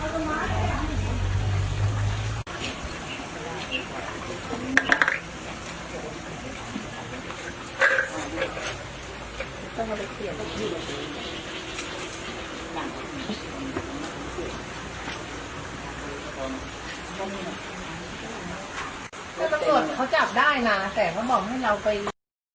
ตำรวจเขาจับได้นะแต่เขาบอกให้เราไป